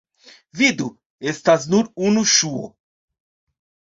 Vidu: estas nur unu ŝuo.